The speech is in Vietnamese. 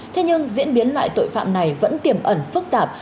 thế nhưng diễn biến loại tội phạm này vẫn tiềm ẩn phức tạp